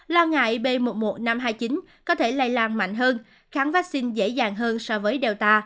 lo ngại b một mươi một nghìn năm trăm hai mươi chín có thể lây lan mạnh hơn kháng vaccine dễ dàng hơn so với delta